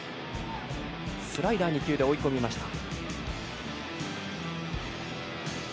スライダー２球で追い込みました。